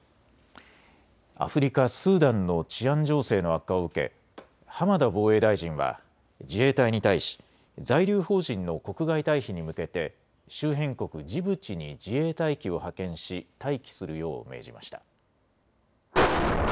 アフリカ・スーダンの治安情勢の悪化を受け浜田防衛大臣は自衛隊に対し在留邦人の国外退避に向けて周辺国ジブチに自衛隊機を派遣し待機するよう命じました。